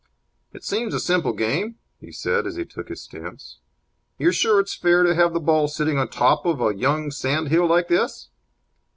"It seems a simple game," he said, as he took his stance. "You're sure it's fair to have the ball sitting up on top of a young sand hill like this?"